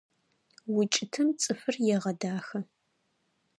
УкӀытэм цӀыфыр егъэдахэ.